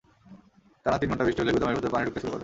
টানা তিন ঘণ্টা বৃষ্টি হলেই গুদামের ভেতরে পানি ঢুকতে শুরু করে।